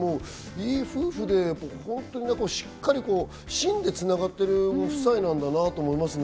いい夫婦で、しっかり芯で繋がっている夫妻なんだなと思いますね。